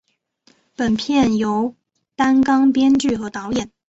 本片由担纲编剧和导演。